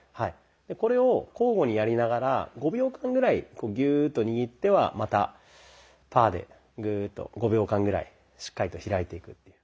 これを交互にやりながら５秒間ぐらいギューッと握ってはまたパーでグーッと５秒間ぐらいしっかりと開いていくっていう。